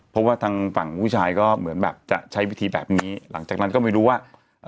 เพราะว่าทางฝั่งผู้ชายก็เหมือนแบบจะใช้วิธีแบบนี้หลังจากนั้นก็ไม่รู้ว่า